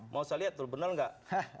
mau saya lihat tuh benar nggak